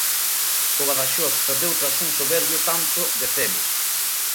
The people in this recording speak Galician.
Co Badaxoz perdeu tras un soberbio tanto de Zelu.